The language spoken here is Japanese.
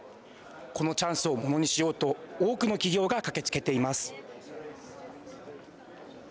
このチャンスをものにしようと多くの企業が駆けつけています。